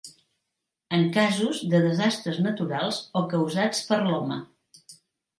En casos de desastres naturals o causats per l'home.